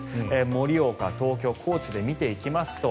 盛岡、東京、高知で見ていきますと